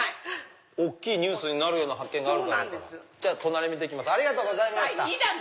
大きいニュースになるような発見があるだろうから隣見てきますありがとうございます。